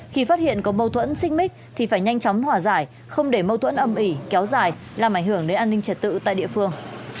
khi phát hiện có mâu thuẫn xích mích thì phải nhanh chóng hòa giải không để mâu thuẫn âm ỉ kéo dài làm ảnh hưởng đến an ninh trật tự tại địa phương